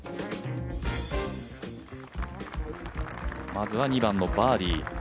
まずは２番のバーディー。